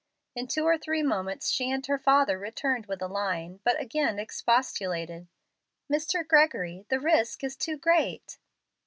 In two or three moments she and her father returned with a line, but again expostulated. "Mr. Gregory, the risk is too great."